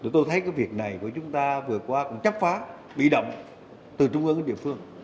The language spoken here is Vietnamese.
tôi thấy cái việc này của chúng ta vừa qua cũng chấp phá bị động từ trung ương đến địa phương